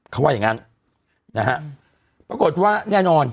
เขาว่าอย่างงั้นนะฮะปรากฏว่าแน่นอน